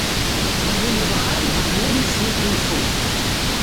Даволі багаты падводны свет рыфаў.